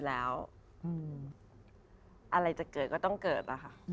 อะไรจะเกิดก็ต้องเกิด